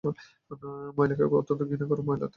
ময়লাকে অত্যন্ত ঘৃণা করে আমরা ময়লা হয়ে থাকি অনেক সময়।